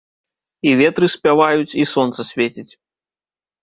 І ветры спяваюць, і сонца свеціць.